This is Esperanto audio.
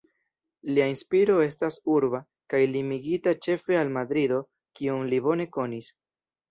Lia inspiro estas urba kaj limigita ĉefe al Madrido kion li bone konis.